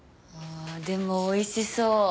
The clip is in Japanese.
でもおいしそう。